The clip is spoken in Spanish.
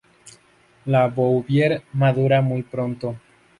La bouvier madura muy pronto.